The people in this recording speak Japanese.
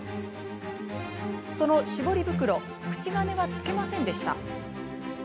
その絞り袋口金は付けませんでした。